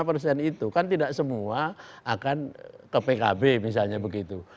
lima puluh persen itu kan tidak semua akan ke pkb misalnya begitu